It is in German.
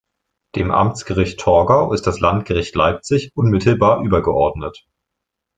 Dem Amtsgericht Torgau ist das Landgericht Leipzig unmittelbar übergeordnet.